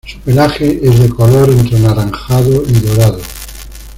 Su pelaje es de color entre anaranjado y dorado.